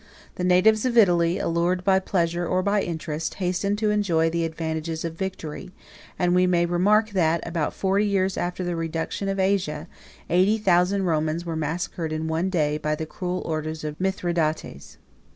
The natives of Italy, allured by pleasure or by interest, hastened to enjoy the advantages of victory; and we may remark, that, about forty years after the reduction of Asia, eighty thousand Romans were massacred in one day, by the cruel orders of Mithridates.